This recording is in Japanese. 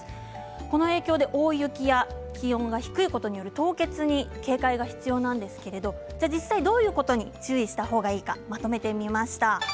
この影響で大雪や気温が低いことによる凍結に警戒が必要なんですけれど実際どういうことに注意した方がいいのか、まとめました。